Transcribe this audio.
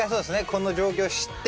この状況を知って。